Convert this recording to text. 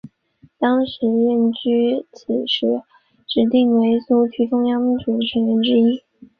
当时任弼时被指定为苏区中央局成员之一。